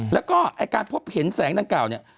แล้วก็ไอ้การพบเห็นแสงดังกล่าวเนี่ย